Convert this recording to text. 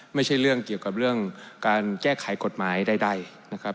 ไม่ใช่เรื่องเกี่ยวกับเรื่องการแก้ไขกฎหมายใดนะครับ